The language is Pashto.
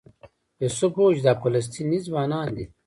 یوسف وویل چې دا فلسطینی ځوانان دي.